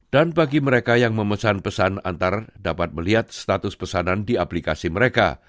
dan bagi mereka yang memesan pesan antar dapat melihat status pesanan di aplikasi mereka